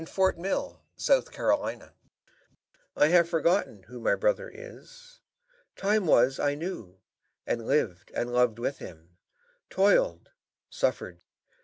AT EASE ON LETHE WHARF.*^ I have forgotten who my brother is. Time was I knew, and lived and loved with him; Toiled, suffered.